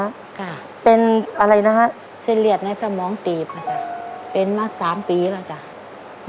ค่ะเป็นอะไรนะฮะเส้นเลือดในสมองตีบค่ะจ้ะเป็นมาสามปีแล้วจ้ะ